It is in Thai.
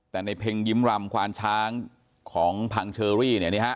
แต่ในเพลงยิ้มรำควานช้างของพังเชอรี่